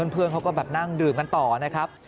เพื่อนเขาก็แบบนั่งดื่มกันต่อนะครับ